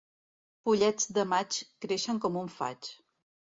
Pollets de maig creixen com un faig.